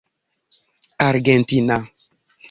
argentina